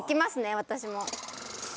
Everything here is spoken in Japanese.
私も。